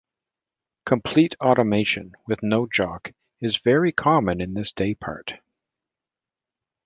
Complete automation, with no jock, is very common in this day part.